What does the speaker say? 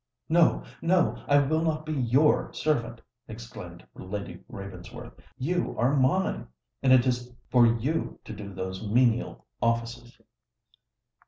"No—no: I will not be your servant!" exclaimed Lady Ravensworth. "You are mine—and it is for you to do those menial offices."